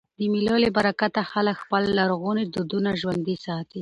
د مېلو له برکته خلک خپل لرغوني دودونه ژوندي ساتي.